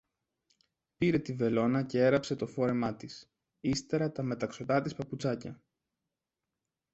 Πήρε τη βελόνα κι έραψε το φόρεμά της, ύστερα τα μεταξωτά της παπουτσάκια